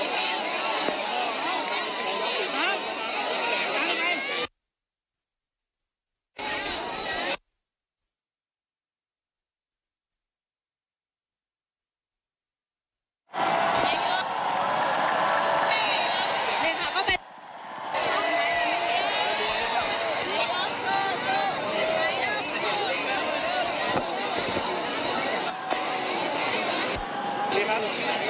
เนี้ยค่ะก็เป็น